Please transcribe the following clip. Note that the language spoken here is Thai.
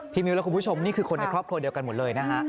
พี่มิวละครับคุณผู้ชมนี่คือคนในครอบครบเดียวกันหมดเลยนะ